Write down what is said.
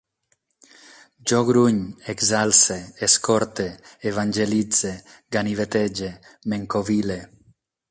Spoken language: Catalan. Jo gruny, exalce, escorte, evangelitze, ganivetege, m'encovile